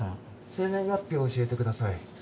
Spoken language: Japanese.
生年月日を教えてください